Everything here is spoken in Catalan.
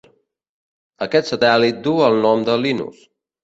Aquest satèl·lit du el nom de Linus.